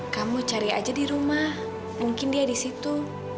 kamu cari aja di rumah mungkin dia di situ